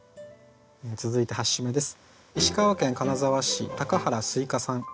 続いて８首目です。